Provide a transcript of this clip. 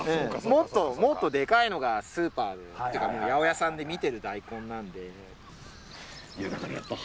もっともっとでかいのがスーパーで八百屋さんで見てる大根なんで。